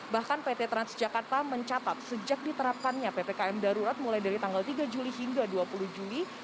bahkan pt transjakarta mencatat sejak diterapkannya ppkm darurat mulai dari tanggal tiga juli hingga dua puluh juli